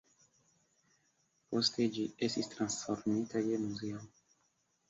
Poste ĝi estis transformita je muzeo.